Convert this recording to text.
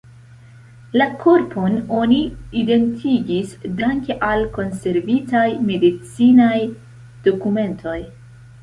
La korpon oni identigis danke al konservitaj medicinaj dokumentoj.